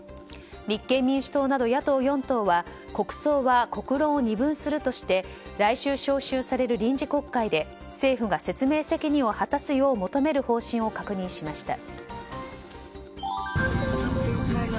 立憲民主党など野党４党は国葬は国論を二分するとして来週召集される臨時国会で政府が説明責任を果たすよう求める方針を確認しました。